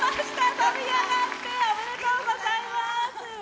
飛び上がっておめでとうございます。